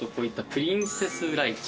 プリンセスライチ？